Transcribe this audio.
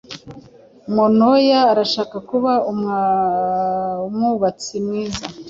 Manoya arashaka kuba umwubatsi mwiza.